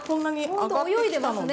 ほんと泳いでますね。